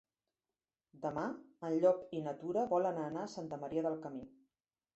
Demà en Llop i na Tura volen anar a Santa Maria del Camí.